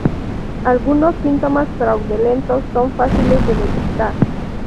Algunos síntomas fraudulentos son fáciles de detectar.